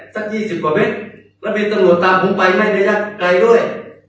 จากยี่สิบกว่าเมตรแล้วเป็นตำรวจตามผมไปไม่ได้ยังไกลด้วย